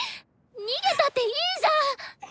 逃げたっていいじゃん！